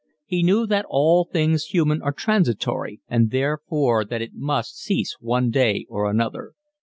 He knew that all things human are transitory and therefore that it must cease one day or another.